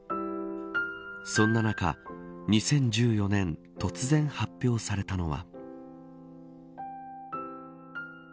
そんな中、２０１４年突然、発表されたのは。